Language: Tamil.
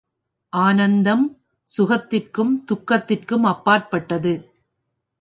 ஆனந்தம், சுகத்திற்கும் துக்கத்திற்கும் அப்பாற்பட்டது.